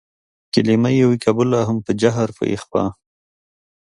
کلمه يې وي قبوله هم په جهر په اخفا